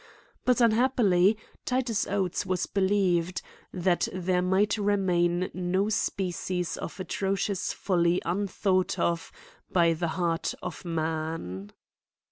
But, unhappily, Titus Oates was believed ; that there might remain no species of atrocious folly unthought of by the heart of man.